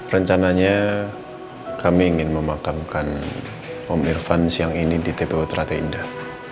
rencananya kami ingin memakamkan om irfan siang ini di tpu terate indah